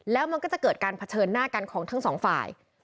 แล้วมันก็จะเกิดการเผชิญหน้ากันของทั้งสองฝ่าย